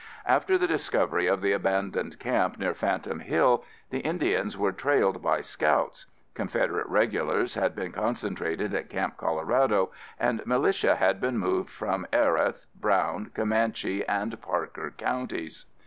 After the discovery of the abandoned camp near Phantom Hill, the Indians were trailed by scouts. Confederate regulars had been concentrated at Camp Colorado, and militia had been moved from Erath, Brown, Comanche and Parker Counties.